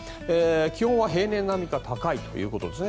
気温は平年並みか高いということですね。